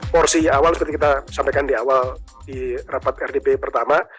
porsi awal seperti kita sampaikan di awal di rapat rdp pertama